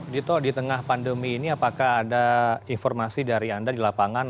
dito di tengah pandemi ini apakah ada informasi dari anda di lapangan